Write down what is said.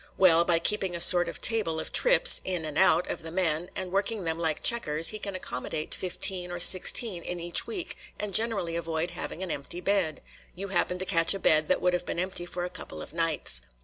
Well, by keeping a sort of table of trips, in and out, of the men, and working them like checkers, he can accommodate fifteen or sixteen in each week and generally avoid having an empty bed. You happen to catch a bed that would have been empty for a couple of nights."